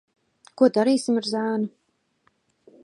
Ko darīsim ar zēnu?